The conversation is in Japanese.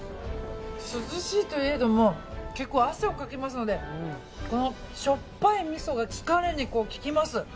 涼しいといえども結構、汗をかきますのでこのしょっぱいみそが疲れに効きます。